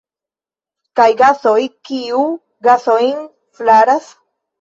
Kaj gasoj – kiu gasojn flaras?